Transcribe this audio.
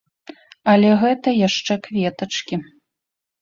Але гэта яшчэ кветачкі.